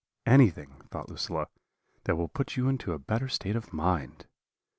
"'Anything,' thought Lucilla, 'that will put you into a better state of mind.'